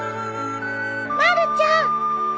まるちゃん。